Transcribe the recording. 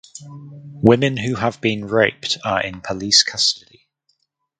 Women who have been raped are in police custody.